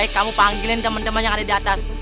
kamu panggilin teman teman yang ada di atas